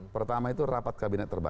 pertama itu rapat kabinet